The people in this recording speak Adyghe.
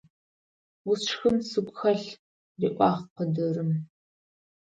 Усшхын сыгу хэлъ! – риӀуагъ къыдырым.